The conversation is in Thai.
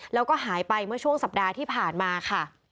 แล้วก็หายไปเมื่อช่วงสัปดาห์ที่ผ่านมาค่ะ